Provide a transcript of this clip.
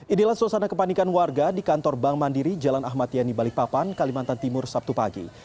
inilah suasana kepanikan warga di kantor bank mandiri jalan ahmad yani balikpapan kalimantan timur sabtu pagi